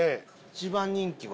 一番人気は？